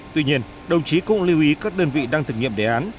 tuy nhiên đồng chí cũng lưu ý các đơn vị đang thực nghiệm đề án